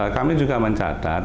kami juga mencatat